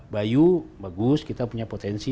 bayu bagus kita punya potensi